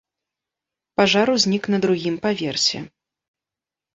Пажар узнік на другім паверсе.